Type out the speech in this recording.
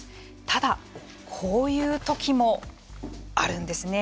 ただ、こういうときもあるんですね。